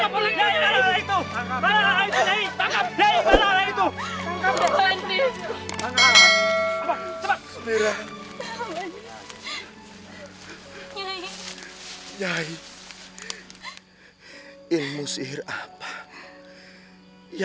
aku harus mengasah ilmu hitamku